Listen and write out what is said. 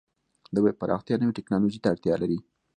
د ویب پراختیا نوې ټکنالوژۍ ته اړتیا لري.